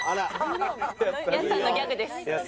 やすさんのギャグです。